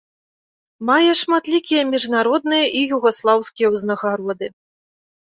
Мае шматлікія міжнародныя і югаслаўскія ўзнагароды.